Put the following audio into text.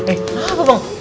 eh kenapa bang